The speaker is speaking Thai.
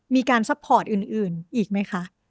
ซัพพอร์ตอื่นอีกไหมคะ